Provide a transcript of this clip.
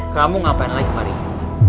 kamu ngapain lagi hari ini